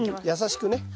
優しくね。